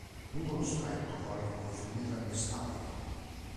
Lungo lo stretto corre il confine tra i due stati.